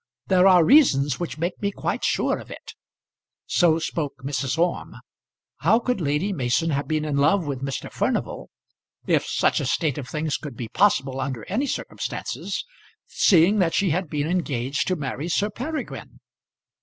There are reasons which make me quite sure of it." So spoke Mrs. Orme. How could Lady Mason have been in love with Mr. Furnival, if such a state of things could be possible under any circumstances, seeing that she had been engaged to marry Sir Peregrine?